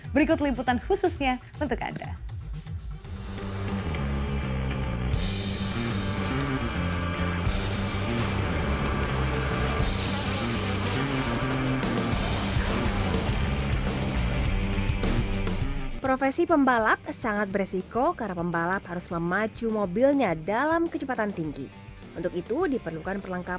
berikut liputan khususnya untuk anda